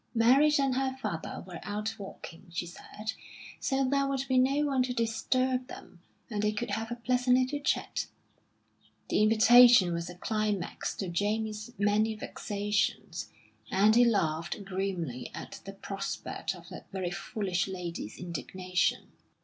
Mary and her father were out walking, she said, so there would be no one to disturb them, and they could have a pleasant little chat. The invitation was a climax to Jamie's many vexations, and he laughed grimly at the prospect of that very foolish lady's indignation.